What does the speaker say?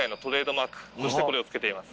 としてこれをつけています。